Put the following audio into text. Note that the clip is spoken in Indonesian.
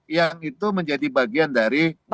yang itu menjadi bagian dari